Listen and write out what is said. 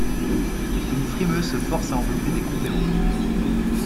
Une frimeuse se force à envelopper des compléments.